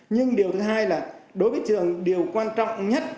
nhưng điều thứ hai là đối với trường điều quan trọng nhất